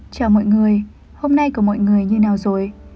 cho mọi người hôm nay của mọi người như nào rồi